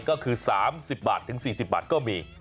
ก็คือ๓๐บาทถึง๔๐บาทก็มี